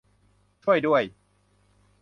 ช่วยด้วย